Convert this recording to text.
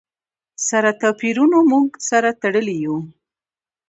سره توپیرونو موږ سره تړلي یو.